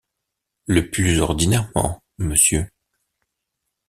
Le plus ordinairement, Mrs.